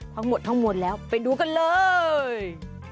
ทั้งหมดทั้งมวลแล้วไปดูกันเลย